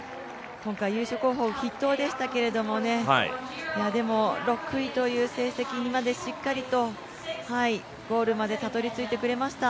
今回、優勝候補筆頭でしたけれどもでも６位という成績までしっかりとゴールまでたどり着いてくれました。